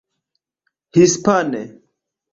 hispane